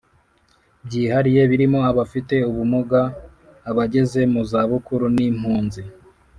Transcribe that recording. Byihariye birimo abafite ubumuga abageze mu zabukuru n impunzi